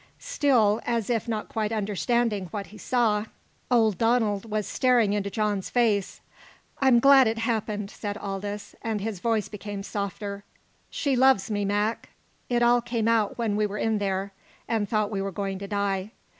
Still, as if not quite understanding what he saw, old Donald was staring into John's face. "I'm glad it happened," said Aldous, and his voice became softer. "She loves me, Mac. It all came out when we were in there, and thought we were going to die.